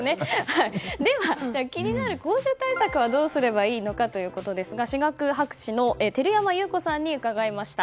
では、気になる口臭対策はどうすればいいのかですが歯学博士の照山裕子さんに聞きました。